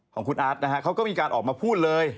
ของคุณอาร์ตนะฮะเขาก็มีการออกมาพูดเลย